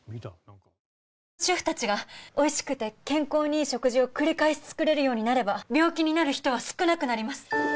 主婦たちがおいしくて健康にいい食事を繰り返し作れるようになれば病気になる人は少なくなります。